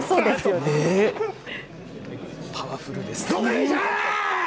パワフルです。